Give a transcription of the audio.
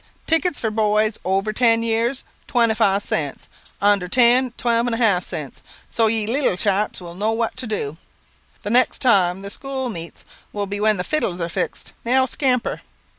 Tickets for boys over ten years, twenty five cents; under ten, twelve and a half cents. So you leetle chaps will know what to do. The next time the school meets will be when the fiddles are fixed. Now scamper."